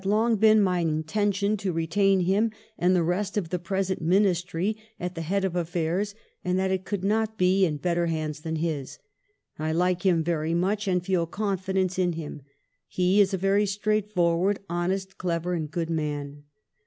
9 130 THE FIRST YEARS OF THE NEW REIGN [1837 been my intention to retain him and the rest of the present Ministry at the head of affairs and that it could not be in better hands than his. ... I like him very much and feel confidence in him. He is a very straightforward, honest, clever, and good man."